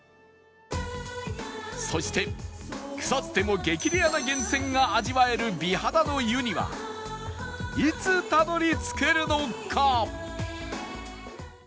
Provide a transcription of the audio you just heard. そして草津でも激レアな源泉が味わえる美肌の湯にはいつたどり着けるのか？